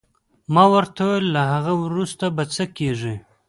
ما ورته وویل: له هغه وروسته به څه کېږي؟